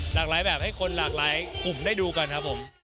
หลากหลายแบบให้คนหลากหลายกลุ่มได้ดูกันครับผม